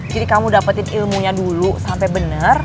jadi kamu dapetin ilmunya dulu sampai bener